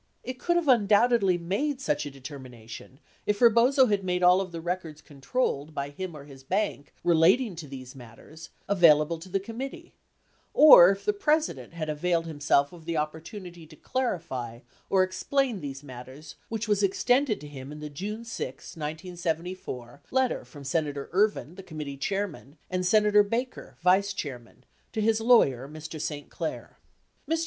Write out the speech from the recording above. It could have undoubtedly made such a determination if Rebozo had made all of the records controlled by him or his bank relating to these matters available to the committee or if the President had availed himself of the opportunity to clarify or explain these matters which was extended to him in the June 6, 1974, letter from Senator Ervin, the committee chairman, and Senator Baker, vice chairman, to his lawyer, Mr. St. Clair. Mr.